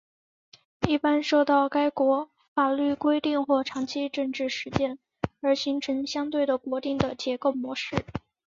一般受到该国法律规定或长期政治实践而形成相对固定的结构模式。